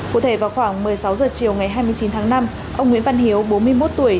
cụ thể vào khoảng một mươi sáu h chiều ngày hai mươi chín tháng năm ông nguyễn văn hiếu bốn mươi một tuổi